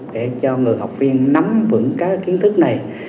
để cho người học viên nắm vững các kiến thức này